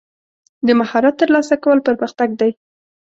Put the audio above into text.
د مهارت ترلاسه کول پرمختګ دی.